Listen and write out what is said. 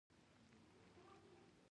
آیا ایران د چای څښلو کلتور نلري؟